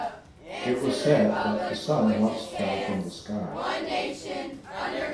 It was said that the sun once fell from the sky.